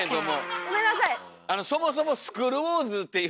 ごめんなさい！